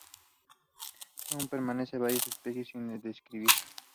Aún permanecen varias especies sin describir.